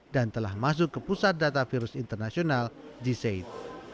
dan telah masuk ke pusat data virus internasional g said